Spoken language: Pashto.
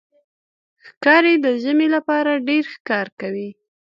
ښکاري د ژمي لپاره ډېر ښکار کوي.